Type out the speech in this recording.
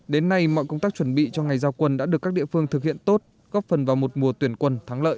đến nay mọi công tác chuẩn bị cho ngày giao quân đã được các địa phương thực hiện tốt góp phần vào một mùa tuyển quân thắng lợi